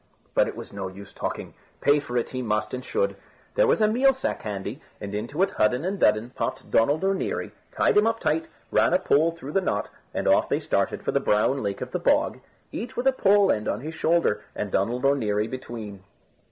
But it was no use talking. Pay for it he must, and should. There was a meal sack handy, and into it Hudden and Dudden popped Donald O'Neary, tied him up tight, ran a pole through the knot, and off they started for the Brown Lake of the Bog, each with a pole end on his shoulder, and Donald O'Neary between.